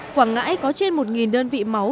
quảng ngãi có trên một đơn vị máu